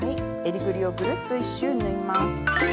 えりぐりをぐるっと１周縫います。